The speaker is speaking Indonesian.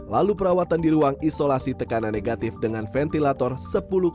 lalu perawatan di ruang isolasi tekanan negatif dengan ventilator sepuluh lima juta per hari